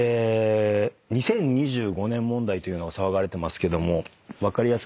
２０２５年問題というのが騒がれてますけども。